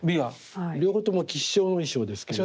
両方とも吉祥の意匠ですけども。